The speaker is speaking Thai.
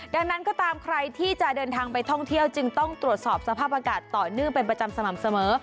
ดังนั้นก็ตามใครที่จะเดินทางไปท่องเที่ยวจึงต้องตรวจสอบสภาพอากาศต่อเนื่องเป็นประจำสม่ำเสมอ